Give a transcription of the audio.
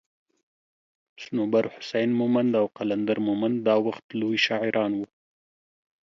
صنوبر حسين مومند او قلندر مومند دا وخت لوي شاعران وو